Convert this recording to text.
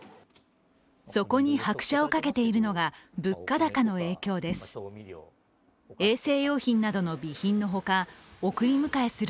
そこに拍車をかけているのが物価高の影響です。